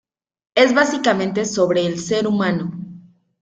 Es básicamente sobre el ser humano.